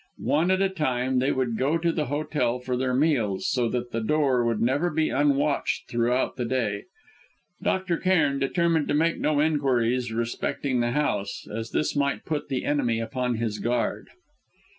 One at a time they would go to the hotel for their meals, so that the door would never be unwatched throughout the day. Dr. Cairn determined to make no inquiries respecting the house, as this might put the enemy upon his guard.